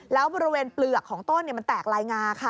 แล้วบริเวณเปลือกของต้นมันแตกลายงาค่ะ